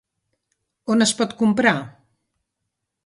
On es pot comprar?